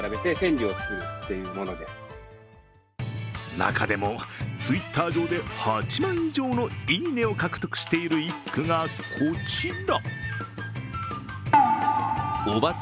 中でもＴｗｉｔｔｅｒ上で８万以上のいいねを獲得している一句がこちら。